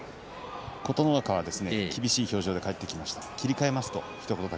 琴ノ若が厳しい表情で帰ってきました。